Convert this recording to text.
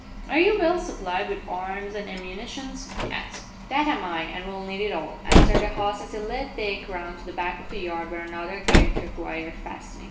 "Are you well supplied with arms an' ammunition?" he asked. "That am I, and we'll need it all," answered the host as he led Dick round to the back of the yard where another gate required fastening.